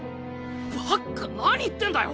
バッカ何言ってんだよ！